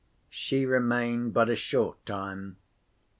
She remained but a short time.